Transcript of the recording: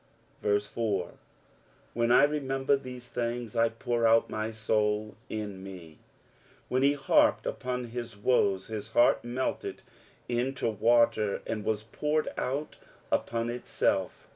VJTM 4. —" When I rtmember ihtte thitifft, I pour oat my tovl in me," When be harped upon his woes his heart melted into water and was poured out upon itself.